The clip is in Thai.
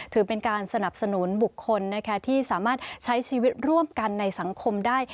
ถือเป็นการสนับสนุนบุคคลที่สามารถใช้ชีวิตร่วมกันในสังคมได้